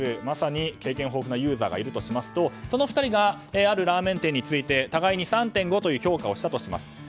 まさに経験豊富なユーザーがいるとするとその２人があるラーメン店について互いに３．５という評価をしたとします